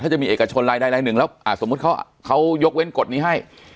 ถ้าจะมีเอกชนรายใดรายหนึ่งแล้วสมมุติเขายกเว้นกฎนี้ให้